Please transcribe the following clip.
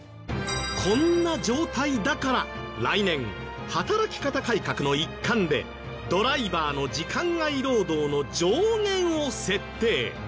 こんな状態だから来年働き方改革の一環でドライバーの時間外労働の上限を設定。